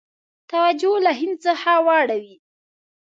توجه له هند څخه واړوي.